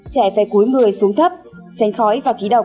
trẻ phải cúi người xuống thấp tránh khói và khí độc